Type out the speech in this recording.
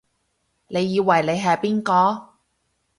你以為你係邊個？